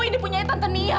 ini punya tante nia